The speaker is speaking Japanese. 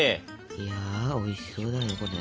いやおいしそうだねこれ。